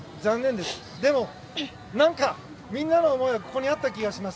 でもみんなの思いがここにあった気がします。